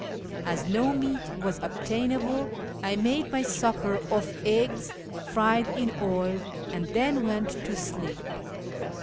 As no meat was obtainable, I made my supper off eggs fried in oil, and then went to sleep.